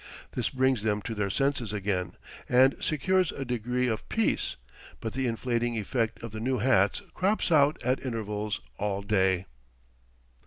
This brings them to their senses again, and secures a degree of peace; but the inflating effect of the new hats crops out at intervals all day.